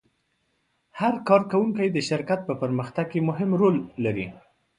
هر کارکوونکی د شرکت په پرمختګ کې مهم رول لري.